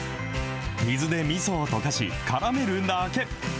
水でみそを溶かし、からめるだけ。